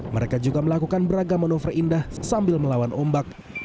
mereka juga melakukan beragam manuver indah sambil melawan ombak